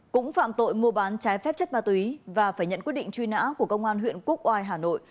cũng phạm tội mua bán trái phép chất ma túy và phải nhận quyết định truy nã của công an huyện quốc oai hà nội